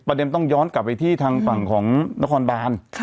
ต้องย้อนกลับไปที่ทางฝั่งของนครบาน